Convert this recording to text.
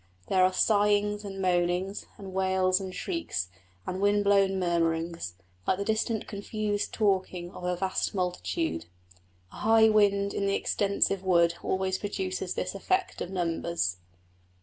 There are sighings and moanings, and wails and shrieks, and wind blown murmurings, like the distant confused talking of a vast multitude. A high wind in an extensive wood always produces this effect of numbers.